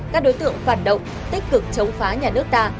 các đối tượng phản động tích cực chống phá nhà nước ta